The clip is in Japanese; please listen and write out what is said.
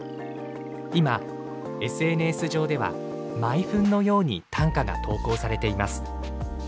今ＳＮＳ上では毎分のように短歌が投稿されています。